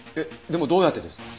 でもどうやってですか？